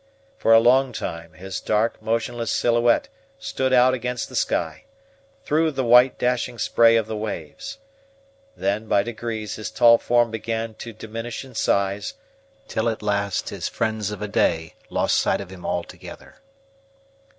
For a long time, his dark, motionless SILHOUETTE stood out against the sky, through the white, dashing spray of the waves. Then by degrees his tall form began to diminish in size, till at last his friends of a day lost sight of him altogether.